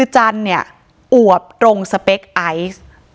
จันอบตรงสเป็คนบัยไอซ์